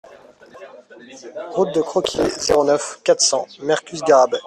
Route de Croquié, zéro neuf, quatre cents Mercus-Garrabet